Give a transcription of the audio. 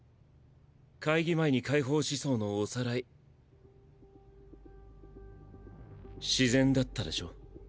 会議前に解放思想のおさらい自然だったでしょ？